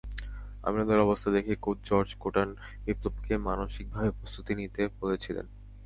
আমিনুলের অবস্থা দেখে coach Jorge কোটান বিপ্লবকে মানসিকভাবে প্রস্তুতি নিতে বলেছিলেন।